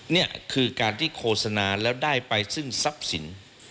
นี่คือการที่โฆษณาแล้วได้ไปซึ่งทรัพย์สิน